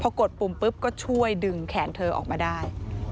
พอกดปุ่มปุ๊บก็ช่วยดึงแขนเธอออกมาได้